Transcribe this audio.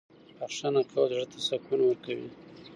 بښنه کول زړه ته سکون ورکوي.